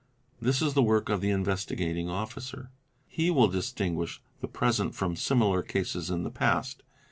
This is the work of the Investigating Officer. He will distinguish the present from similar cases in the past.